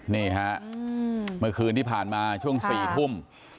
นี่ครับคืนนี้ผ่านมาช่วง๔ทุ่ม